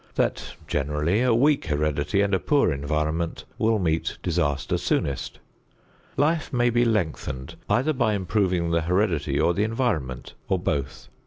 That, generally, a weak heredity and a poor environment will meet disaster soonest. Life may be lengthened either by improving the heredity or the environment or both.